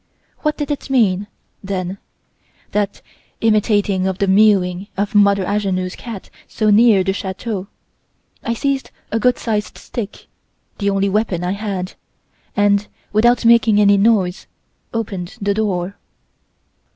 What did it mean, then that imitating of the mewing of Mother Angenoux' cat so near the chateau? I seized a good sized stick, the only weapon I had, and, without making any noise, opened the door.